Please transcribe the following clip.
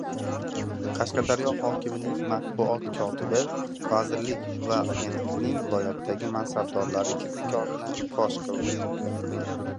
Qashqadaryo hokimining matbuot kotibi vazirlik va agentlikning viloyatdagi mansabdorlari kirdikorini fosh qildi